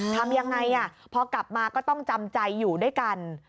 ทำยังไงพอกลับมาก็ต้องจำใจอยู่ด้วยกัน